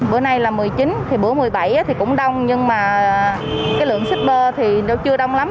bữa nay là một mươi chín thì bữa một mươi bảy thì cũng đông nhưng mà cái lượng shipper thì nó chưa đông lắm